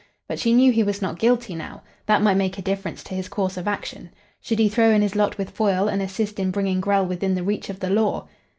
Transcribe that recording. But she knew he was not guilty now. That might make a difference to his course of action. Should he throw in his lot with Foyle and assist in bringing Grell within the reach of the law?